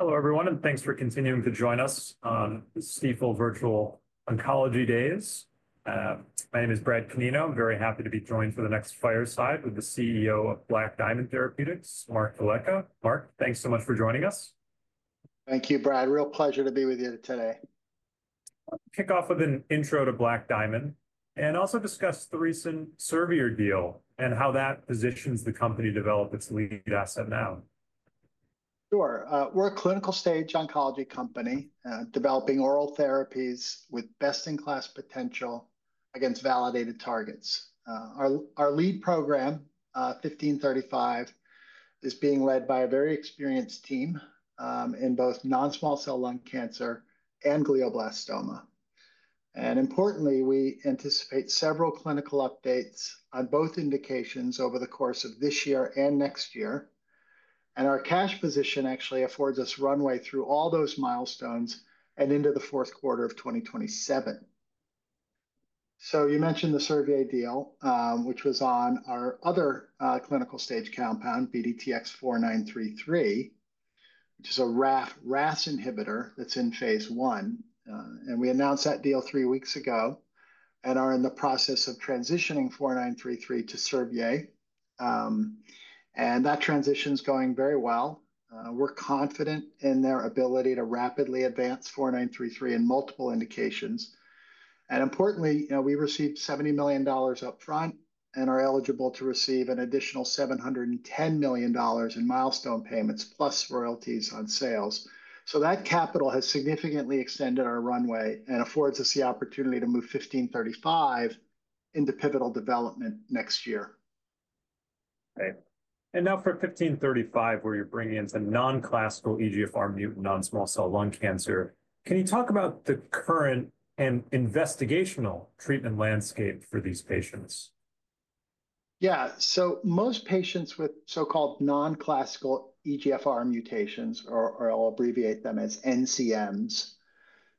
Hello, everyone, and thanks for continuing to join us on the Stifel Virtual Oncology Days. My name is Brad Canino. I'm very happy to be joined for the next fireside with the CEO of Black Diamond Therapeutics, Mark Velleca. Mark, thanks so much for joining us. Thank you, Brad. Real pleasure to be with you today. Kick off with an intro to Black Diamond and also discuss the recent Servier deal and how that positions the company to develop its lead asset now. Sure. We're a clinical-stage oncology company developing oral therapies with best-in-class potential against validated targets. Our lead program, 1535, is being led by a very experienced team in both non-small cell lung cancer and glioblastoma. Importantly, we anticipate several clinical updates on both indications over the course of this year and next year. Our cash position actually affords us runway through all those milestones and into the fourth quarter of 2027. You mentioned the Servier deal, which was on our other clinical-stage compound, BDTX-4933, which is a RAS inhibitor that's in phase I. We announced that deal three weeks ago and are in the process of transitioning 4933 to Servier. That transition is going very well. We're confident in their ability to rapidly advance 4933 in multiple indications. Importantly, we received $70 million upfront and are eligible to receive an additional $710 million in milestone payments plus royalties on sales. That capital has significantly extended our runway and affords us the opportunity to move 1535 into pivotal development next year. Great. For 1535, where you're bringing in some non-classical EGFR mutant non-small cell lung cancer, can you talk about the current and investigational treatment landscape for these patients? Yeah. Most patients with so-called non-classical EGFR mutations, or I'll abbreviate them as NCMs,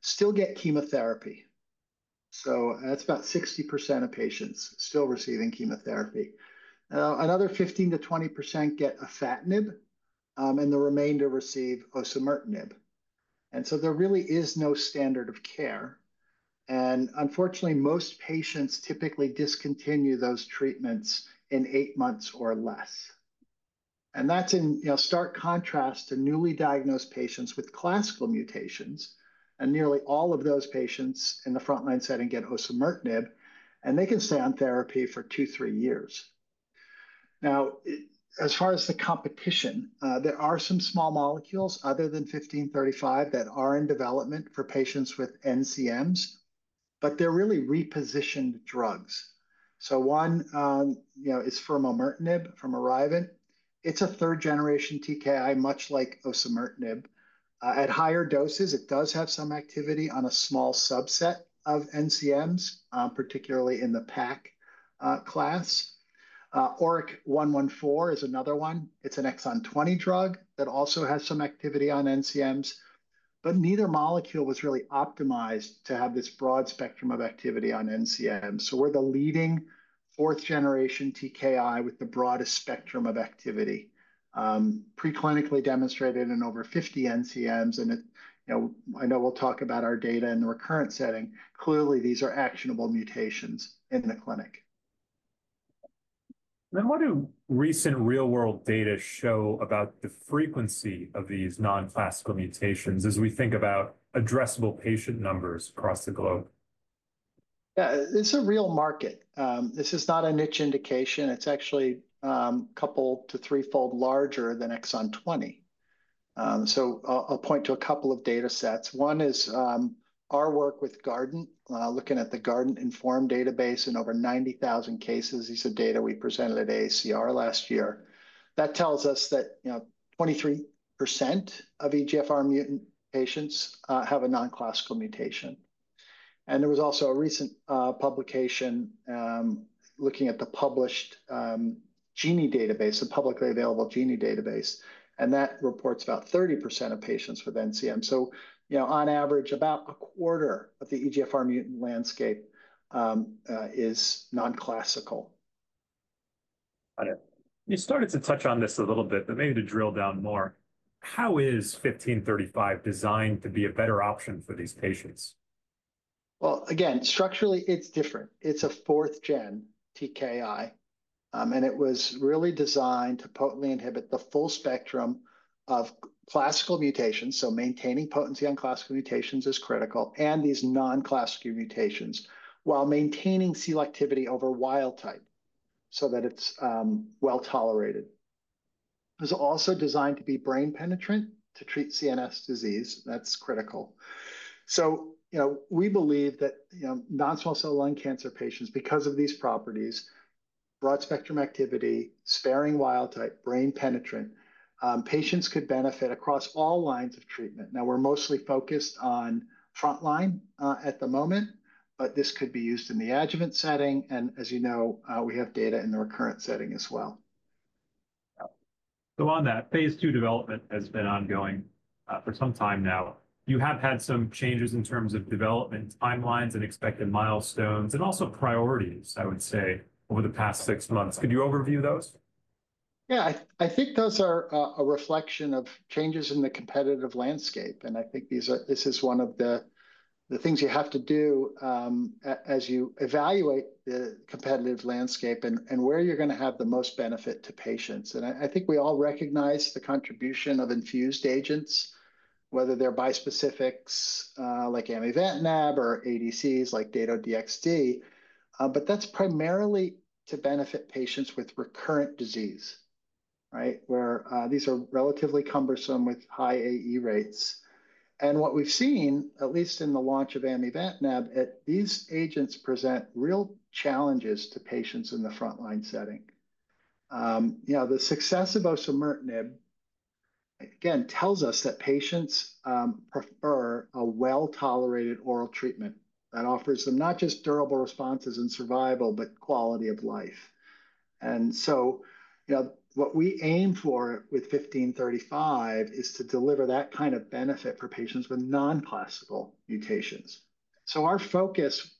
still get chemotherapy. That's about 60% of patients still receiving chemotherapy. Another 15% to 20% get afatinib, and the remainder receive osimertinib. There really is no standard of care. Unfortunately, most patients typically discontinue those treatments in eight months or less. That's in stark contrast to newly diagnosed patients with classical mutations. Nearly all of those patients in the frontline setting get osimertinib, and they can stay on therapy for two, three years. Now, as far as the competition, there are some small molecules other than 1535 that are in development for patients with NCMs, but they're really repositioned drugs. One is furmonertinib from ArriVent. It's a third-generation TKI, much like osimertinib. At higher doses, it does have some activity on a small subset of NCMs, particularly in the PAC class. ORIC-114 is another one. It's an exon 20 drug that also has some activity on NCMs, but neither molecule was really optimized to have this broad spectrum of activity on NCMs. We are the leading fourth-generation TKI with the broadest spectrum of activity, preclinically demonstrated in over 50 NCMs. I know we'll talk about our data in the recurrent setting. Clearly, these are actionable mutations in the clinic. What do recent real-world data show about the frequency of these non-classical mutations as we think about addressable patient numbers across the globe? Yeah, it's a real market. This is not a niche indication. It's actually a couple- to threefold larger than exon 20. I will point to a couple of data sets. One is our work with Guardant, looking at the Guardant Inform database in over 90,000 cases. These are data we presented at AACR last year. That tells us that 23% of EGFR mutant patients have a non-classical mutation. There was also a recent publication looking at the publicly available GENIE database, and that reports about 30% of patients with NCM. On average, about a quarter of the EGFR mutant landscape is non-classical. Got it. You started to touch on this a little bit, but maybe to drill down more, how is 1535 designed to be a better option for these patients? Structurally, it's different. It's a fourth-gen TKI, and it was really designed to potently inhibit the full spectrum of classical mutations. So maintaining potency on classical mutations is critical, and these non-classical mutations while maintaining selectivity over wild type so that it's well tolerated. It's also designed to be brain penetrant to treat CNS disease. That's critical. We believe that non-small cell lung cancer patients, because of these properties, broad spectrum activity, sparing wild type, brain penetrant, patients could benefit across all lines of treatment. Now, we're mostly focused on frontline at the moment, but this could be used in the adjuvant setting. As you know, we have data in the recurrent setting as well. On that, phase II development has been ongoing for some time now. You have had some changes in terms of development timelines and expected milestones and also priorities, I would say, over the past six months. Could you overview those? Yeah, I think those are a reflection of changes in the competitive landscape. I think this is one of the things you have to do as you evaluate the competitive landscape and where you're going to have the most benefit to patients. I think we all recognize the contribution of infused agents, whether they're bispecifics like amivantamab or ADCs like Dato-DXd, but that's primarily to benefit patients with recurrent disease, right, where these are relatively cumbersome with high AE rates. What we've seen, at least in the launch of amivantamab, is these agents present real challenges to patients in the frontline setting. The success of osimertinib, again, tells us that patients prefer a well-tolerated oral treatment that offers them not just durable responses and survival, but quality of life. What we aim for with 1535 is to deliver that kind of benefit for patients with non-classical mutations. Our focus,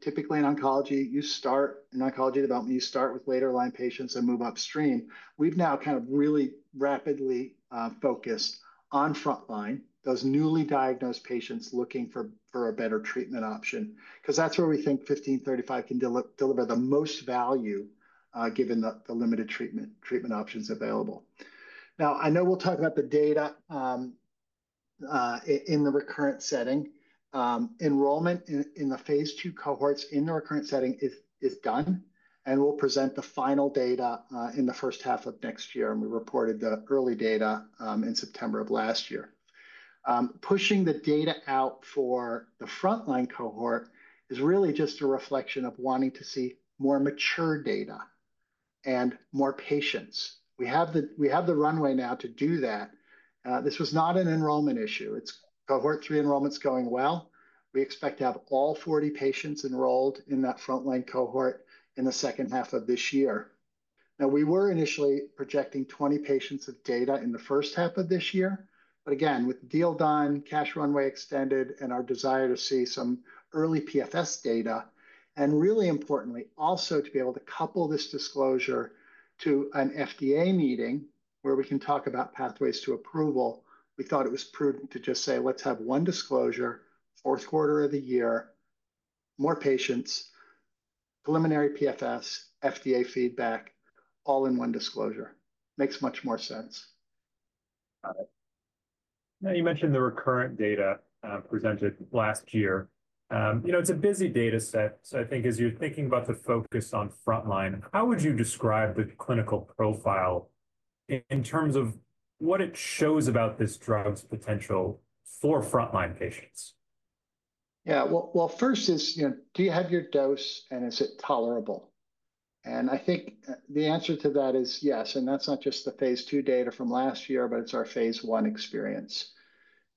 typically in oncology, is you start in oncology development, you start with later line patients and move upstream. We've now kind of really rapidly focused on frontline, those newly diagnosed patients looking for a better treatment option, because that's where we think 1535 can deliver the most value given the limited treatment options available. I know we'll talk about the data in the recurrent setting. Enrollment in the phase 2 cohorts in the recurrent setting is done, and we'll present the final data in the first half of next year. We reported the early data in September of last year. Pushing the data out for the frontline cohort is really just a reflection of wanting to see more mature data and more patients. We have the runway now to do that. This was not an enrollment issue. It's cohort three enrollment's going well. We expect to have all 40 patients enrolled in that frontline cohort in the second half of this year. Now, we were initially projecting 20 patients of data in the first half of this year, but again, with the deal done, cash runway extended, and our desire to see some early PFS data, and really importantly, also to be able to couple this disclosure to an FDA meeting where we can talk about pathways to approval, we thought it was prudent to just say, let's have one disclosure, fourth quarter of the year, more patients, preliminary PFS, FDA feedback, all in one disclosure. Makes much more sense. Now, you mentioned the recurrent data presented last year. It's a busy data set. I think as you're thinking about the focus on frontline, how would you describe the clinical profile in terms of what it shows about this drug's potential for frontline patients? Yeah. First is, do you have your dose, and is it tolerable? I think the answer to that is yes. That's not just the phase two data from last year, but it's our phase one experience.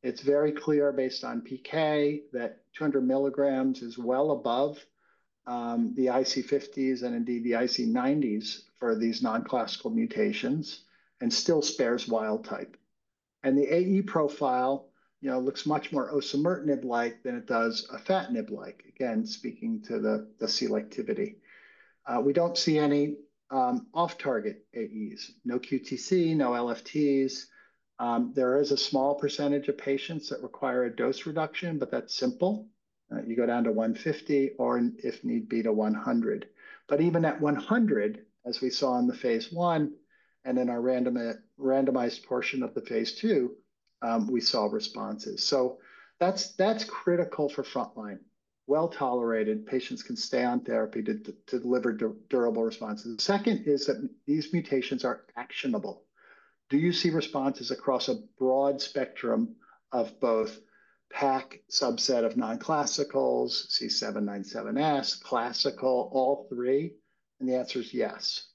It's very clear based on PK that 200 mg is well above the IC50s and indeed the IC90s for these non-classical mutations and still spares wild type. The AE profile looks much more osimertinib-like than it does afatinib-like, again, speaking to the selectivity. We don't see any off-target AEs, no QTc, no LFTs. There is a small percentage of patients that require a dose reduction, but that's simple. You go down to 150 or, if need be, to 100. Even at 100, as we saw in the phase one and in our randomized portion of the phase two, we saw responses. That's critical for frontline. Tolerated, patients can stay on therapy to deliver durable responses. Second is that these mutations are actionable. Do you see responses across a broad spectrum of both PACC subset of non-classicals, C797S, classical, all three? The answer is yes.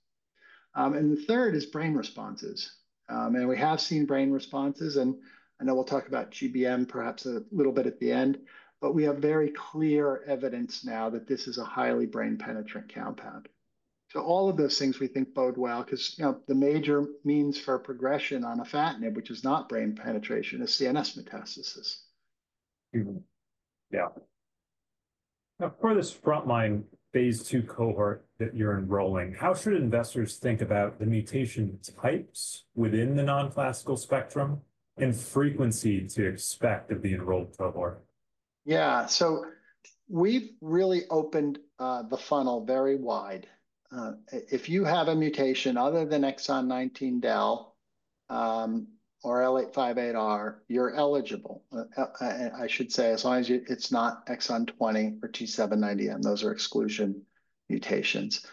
The third is brain responses. We have seen brain responses. I know we'll talk about GBM perhaps a little bit at the end, but we have very clear evidence now that this is a highly brain penetrant compound. All of those things we think bode well because the major means for progression on afatinib, which is not brain penetration, is CNS metastasis. Yeah. Now, for this frontline phase two cohort that you're enrolling, how should investors think about the mutation types within the non-classical spectrum and frequency to expect of the enrolled cohort? Yeah. We have really opened the funnel very wide. If you have a mutation other than exon 19 del or L858R, you are eligible, I should say, as long as it is not exon 20 or T790M. Those are exclusion mutations.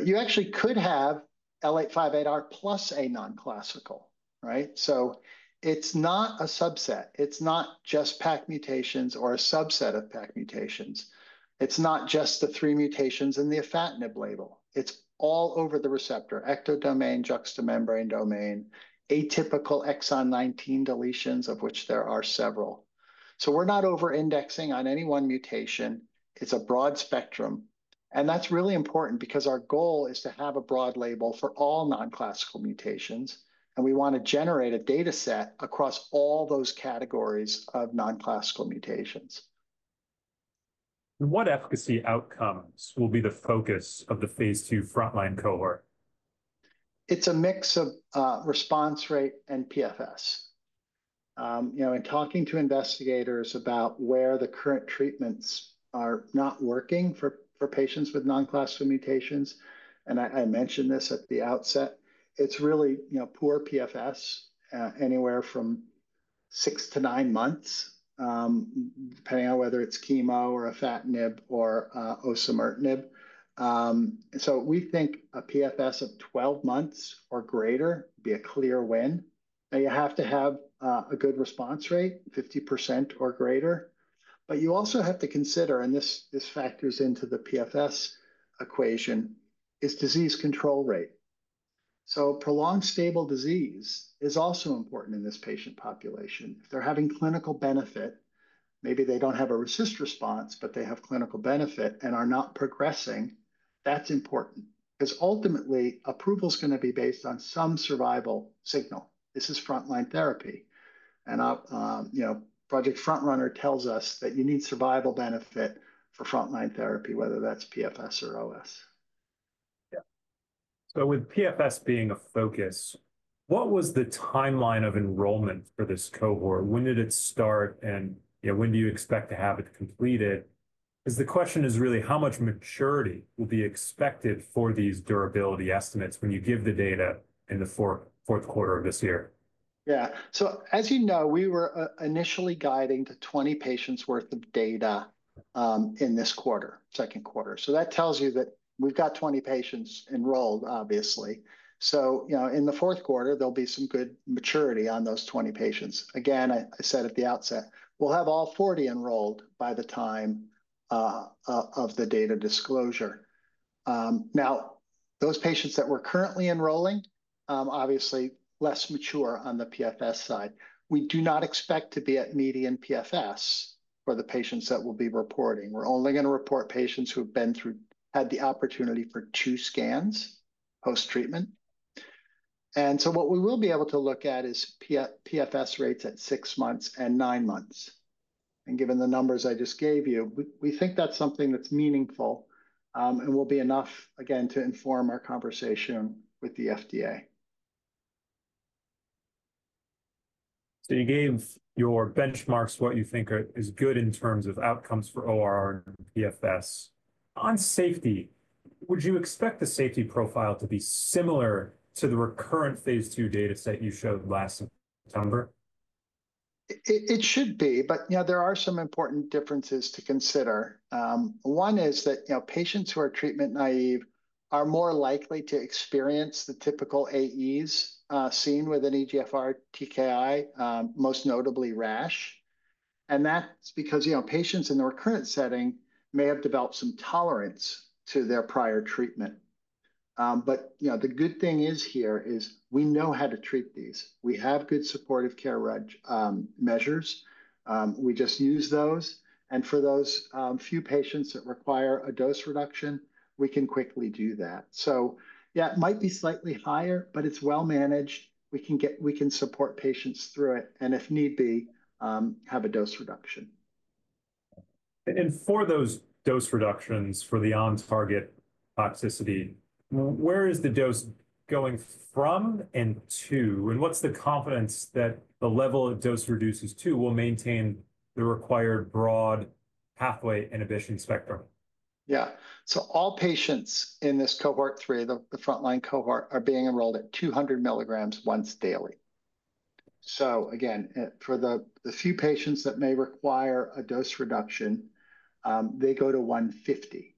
You actually could have L858R plus a non-classical, right? It is not a subset. It is not just PAC mutations or a subset of PAC mutations. It is not just the three mutations in the afatinib label. It is all over the receptor, ectodomain, juxta-membrane domain, atypical exon 19 deletions, of which there are several. We are not over-indexing on any one mutation. It is a broad spectrum. That is really important because our goal is to have a broad label for all non-classical mutations. We want to generate a data set across all those categories of non-classical mutations. What efficacy outcomes will be the focus of the phase II frontline cohort? It's a mix of response rate and PFS. In talking to investigators about where the current treatments are not working for patients with non-classical mutations, and I mentioned this at the outset, it's really poor PFS anywhere from six to nine months, depending on whether it's chemo or afatinib or osimertinib. We think a PFS of 12 months or greater would be a clear win. You have to have a good response rate, 50% or greater. You also have to consider, and this factors into the PFS equation, is disease control rate. Prolonged stable disease is also important in this patient population. If they're having clinical benefit, maybe they don't have a resist response, but they have clinical benefit and are not progressing, that's important because ultimately, approval is going to be based on some survival signal. This is frontline therapy. Project FrontRunner tells us that you need survival benefit for frontline therapy, whether that's PFS or OS. Yeah. With PFS being a focus, what was the timeline of enrollment for this cohort? When did it start, and when do you expect to have it completed? The question is really how much maturity will be expected for these durability estimates when you give the data in the fourth quarter of this year? Yeah. As you know, we were initially guiding to 20 patients' worth of data in this quarter, second quarter. That tells you that we've got 20 patients enrolled, obviously. In the fourth quarter, there'll be some good maturity on those 20 patients. Again, I said at the outset, we'll have all 40 enrolled by the time of the data disclosure. Now, those patients that we're currently enrolling, obviously less mature on the PFS side, we do not expect to be at median PFS for the patients that will be reporting. We're only going to report patients who have had the opportunity for two scans post-treatment. What we will be able to look at is PFS rates at six months and nine months. Given the numbers I just gave you, we think that's something that's meaningful and will be enough, again, to inform our conversation with the FDA. You gave your benchmarks what you think is good in terms of outcomes for ORR and PFS. On safety, would you expect the safety profile to be similar to the recurrent phase two data set you showed last September? It should be, but there are some important differences to consider. One is that patients who are treatment naive are more likely to experience the typical AEs seen with an EGFR TKI, most notably rash. That is because patients in the recurrent setting may have developed some tolerance to their prior treatment. The good thing here is we know how to treat these. We have good supportive care measures. We just use those. For those few patients that require a dose reduction, we can quickly do that. Yeah, it might be slightly higher, but it is well managed. We can support patients through it and, if need be, have a dose reduction. For those dose reductions for the on-target toxicity, where is the dose going from and to? What's the confidence that the level of dose reduced to will maintain the required broad pathway inhibition spectrum? Yeah. All patients in this cohort three, the frontline cohort, are being enrolled at 200 mg once daily. Again, for the few patients that may require a dose reduction, they go to 150.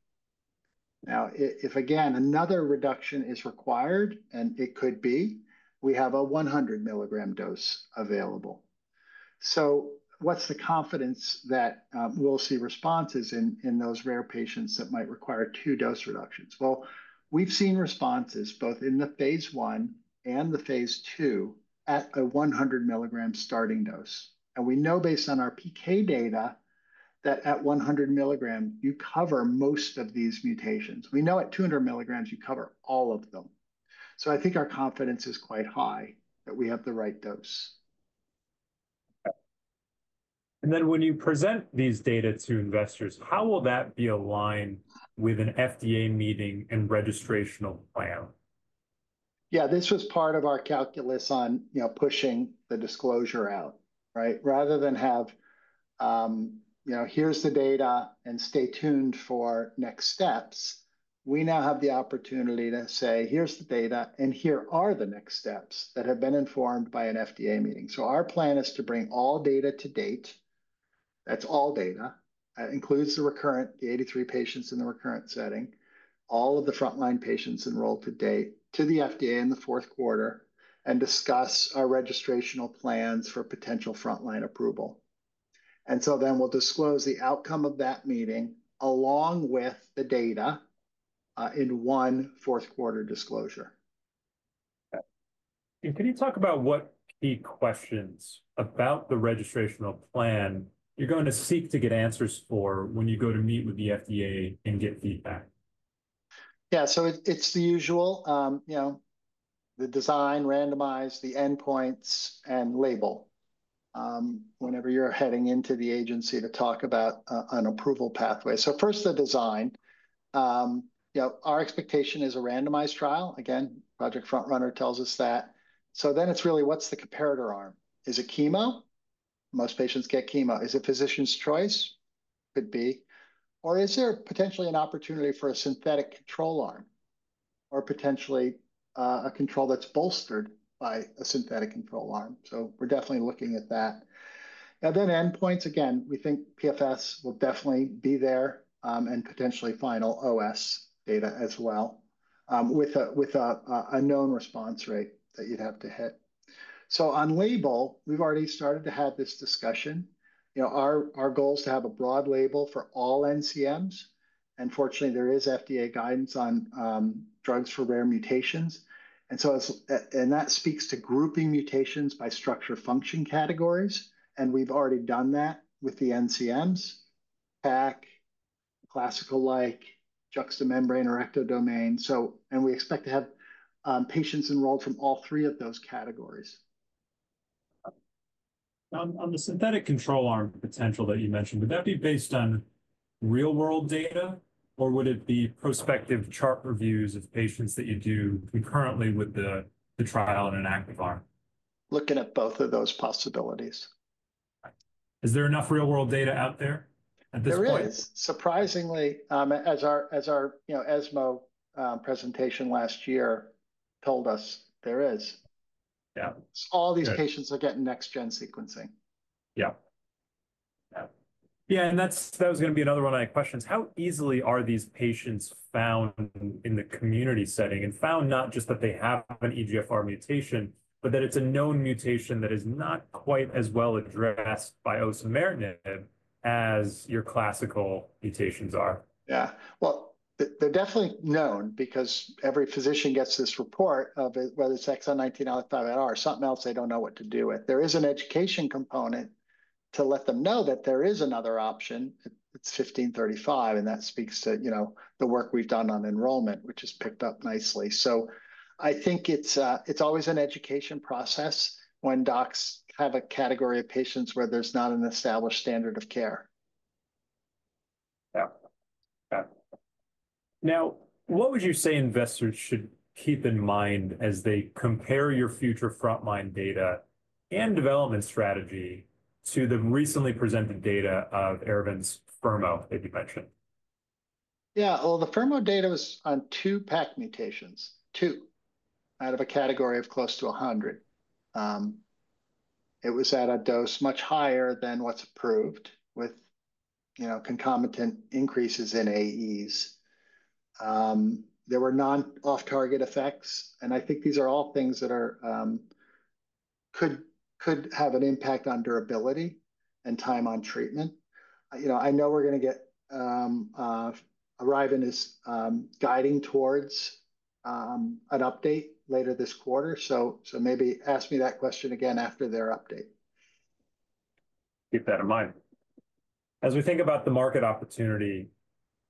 If another reduction is required, and it could be, we have a 100 mg dose available. What's the confidence that we'll see responses in those rare patients that might require two dose reductions? We've seen responses both in the phase I and the phase 2 at a 100 mg starting dose. We know based on our PK data that at 100 mg, you cover most of these mutations. We know at 200 mg, you cover all of them. I think our confidence is quite high that we have the right dose. When you present these data to investors, how will that be aligned with an FDA meeting and registrational plan? Yeah, this was part of our calculus on pushing the disclosure out, right? Rather than have, here's the data and stay tuned for next steps, we now have the opportunity to say, here's the data and here are the next steps that have been informed by an FDA meeting. Our plan is to bring all data to date. That's all data. It includes the recurrent, the 83 patients in the recurrent setting, all of the frontline patients enrolled to date to the FDA in the fourth quarter and discuss our registrational plans for potential frontline approval. We will disclose the outcome of that meeting along with the data in one fourth quarter disclosure. Can you talk about what key questions about the registrational plan you're going to seek to get answers for when you go to meet with the FDA and get feedback? Yeah. It's the usual. The design, randomize, the endpoints, and label whenever you're heading into the agency to talk about an approval pathway. First, the design. Our expectation is a randomized trial. Again, tells us that. It's really, what's the comparator arm? Is it chemo? Most patients get chemo. Is it physician's choice? Could be. Or is there potentially an opportunity for a synthetic control arm or potentially a control that's bolstered by a synthetic control arm? We're definitely looking at that. Endpoints, again, we think PFS will definitely be there and potentially final OS data as well with a known response rate that you'd have to hit. On label, we've already started to have this discussion. Our goal is to have a broad label for all NCMs. Fortunately, there is FDA guidance on drugs for rare mutations. That speaks to grouping mutations by structure function categories. We've already done that with the NCMs, PAC, classical-like, juxta-membrane or ectodomain. We expect to have patients enrolled from all three of those categories. On the synthetic control arm potential that you mentioned, would that be based on real-world data, or would it be prospective chart reviews of patients that you do concurrently with the trial in an active arm? Looking at both of those possibilities. Is there enough real-world data out there at this point? There is, surprisingly, as our ESMO presentation last year told us, there is. All these patients are getting next-gen sequencing. Yeah. Yeah. That was going to be another one of my questions. How easily are these patients found in the community setting and found not just that they have an EGFR mutation, but that it's a known mutation that is not quite as well addressed by osimertinib as your classical mutations are? Yeah. They are definitely known because every physician gets this report of it, whether it's exon 19 or something else they don't know what to do with. There is an education component to let them know that there is another option. It's 1535, and that speaks to the work we've done on enrollment, which has picked up nicely. I think it's always an education process when docs have a category of patients where there's not an established standard of care. Yeah. Yeah. Now, what would you say investors should keep in mind as they compare your future frontline data and development strategy to the recently presented data of ArriVent's frrmo, that you mentioned? Yeah. The furmo data was on two PACC mutations, two out of a category of close to 100. It was at a dose much higher than what's approved with concomitant increases in AEs. There were non-off-target effects. I think these are all things that could have an impact on durability and time on treatment. I know we're going to get ArriVent is guiding towards an update later this quarter. Maybe ask me that question again after their update. Keep that in mind. As we think about the market opportunity,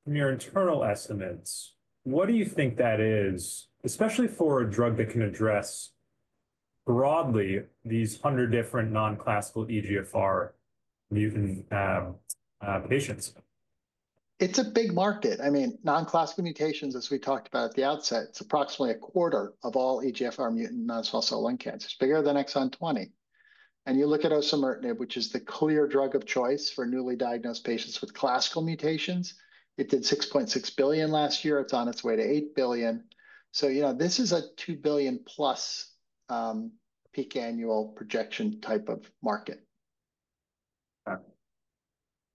from your internal estimates, what do you think that is, especially for a drug that can address broadly these 100 different non-classical EGFR mutant patients? It's a big market. I mean, non-classical mutations, as we talked about at the outset, it's approximately a quarter of all EGFR mutant non-small cell lung cancers. Bigger than exon 20. You look at osimertinib, which is the clear drug of choice for newly diagnosed patients with classical mutations. It did $6.6 billion last year. It's on its way to $8 billion. This is a $2 billion plus peak annual projection type of market.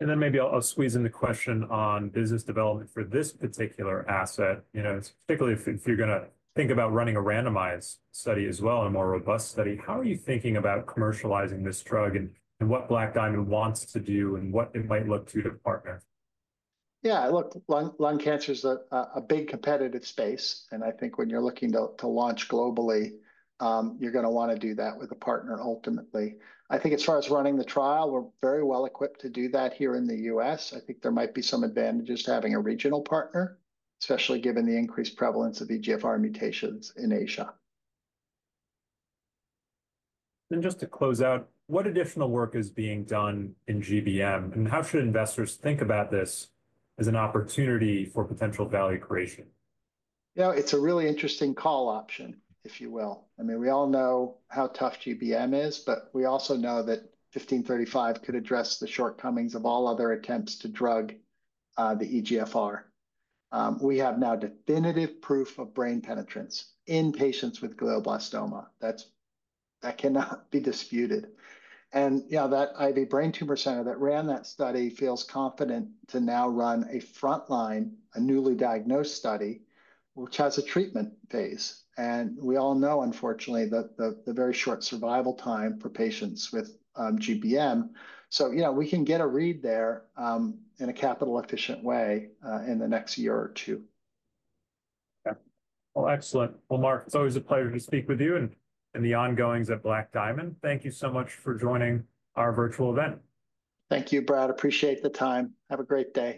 Maybe I'll squeeze in the question on business development for this particular asset, particularly if you're going to think about running a randomized study as well, a more robust study. How are you thinking about commercializing this drug and what Black Diamond wants to do and what it might look to do to partner? Yeah. Look, lung cancer is a big competitive space. I think when you're looking to launch globally, you're going to want to do that with a partner, ultimately. I think as far as running the trial, we're very well equipped to do that here in the U.S. I think there might be some advantages to having a regional partner, especially given the increased prevalence of EGFR mutations in Asia. Just to close out, what additional work is being done in GBM? How should investors think about this as an opportunity for potential value creation? Yeah, it's a really interesting call option, if you will. I mean, we all know how tough GBM is, but we also know that 1535 could address the shortcomings of all other attempts to drug the EGFR. We have now definitive proof of brain penetrance in patients with glioblastoma. That cannot be disputed. That Ivy Brain Tumor Center that ran that study feels confident to now run a frontline, a newly diagnosed study, which has a treatment phase. We all know, unfortunately, the very short survival time for patients with GBM. We can get a read there in a capital-efficient way in the next year or two. Yeah. Excellent. Mark, it's always a pleasure to speak with you and the ongoings at Black Diamond. Thank you so much for joining our virtual event. Thank you, Brad. Appreciate the time. Have a great day.